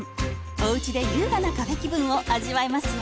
おうちで優雅なカフェ気分を味わえますよ。